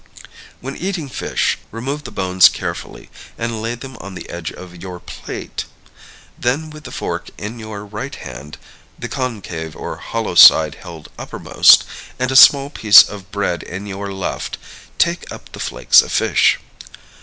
When eating fish, remove the bones carefully, and lay them on the edge of your plate. Then, with the fork in your right hand (the concave or hollow side held uppermost), and a small piece of bread in your left, take up the flakes of fish.